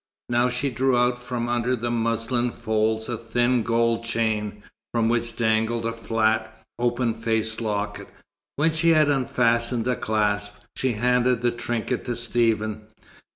Now she drew out from under the muslin folds a thin gold chain, from which dangled a flat, open faced locket. When she had unfastened a clasp, she handed the trinket to Stephen.